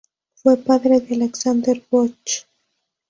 Fue padre de Alexandre Bosch.